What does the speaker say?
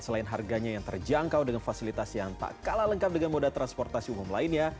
selain harganya yang terjangkau dengan fasilitas yang tak kalah lengkap dengan moda transportasi umum lainnya